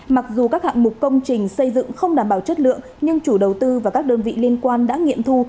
mặc dù các hạng mục công trình xây dựng không đảm bảo chất lượng nhưng chủ đầu tư và các đơn vị liên quan đã nghiệm thu